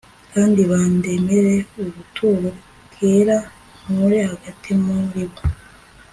kandi bandemere ubuturo bwera, nture hagati muri bo